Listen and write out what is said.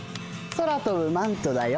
空とぶマントだよ。